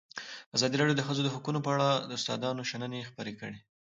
ازادي راډیو د د ښځو حقونه په اړه د استادانو شننې خپرې کړي.